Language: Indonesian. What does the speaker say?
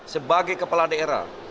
sebagai kepala daerah